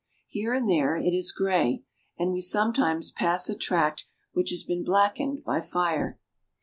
Here and there it is gray, and we sometimes pass a tract which has been blackened by fire.